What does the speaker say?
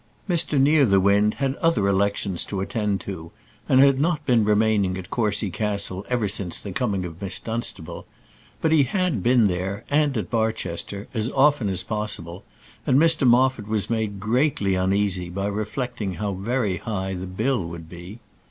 Mr Nearthewinde had other elections to attend to, and had not been remaining at Courcy Castle ever since the coming of Miss Dunstable: but he had been there, and at Barchester, as often as possible, and Mr Moffat was made greatly uneasy by reflecting how very high the bill would be.